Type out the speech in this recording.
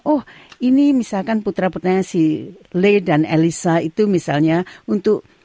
oh ini misalkan putra putranya si le dan elisa itu misalnya untuk